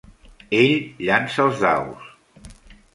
Ell llança els daus.